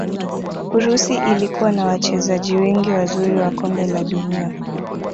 urusi ilikuwa na wachezaji wengi wazuri wa kombe la dunia